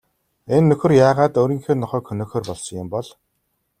Энэ нөхөр яагаад өөрийнхөө нохойг хөнөөхөөр болсон юм бол?